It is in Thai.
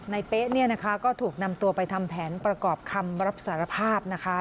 ในเป๊กก็ถูกนำตัวไปทำแผนประกอบคำรับสารภาพนะคะ